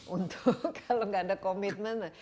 untuk kalau nggak ada komitmen